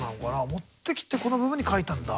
持ってきてこの部分に描いたんだ。